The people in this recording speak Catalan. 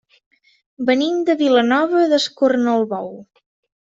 Venim de Vilanova d'Escornalbou.